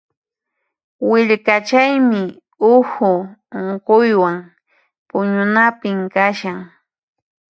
Willkachaymi uhu unquywan puñunapim kashan.